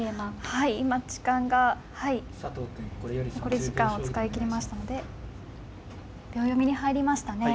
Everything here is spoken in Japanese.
はい今時間がはい残り時間を使い切りましたので秒読みに入りましたね。